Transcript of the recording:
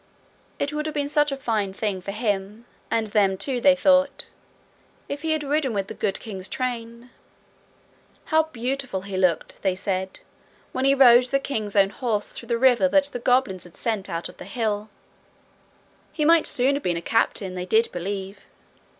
It would have been such a fine thing for him and them, too, they thought, if he had ridden with the good king's train. How beautiful he looked, they said, when he rode the king's own horse through the river that the goblins had sent out of the hill! He might soon have been a captain, they did believe!